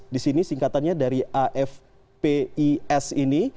di sini singkatannya dari afpis ini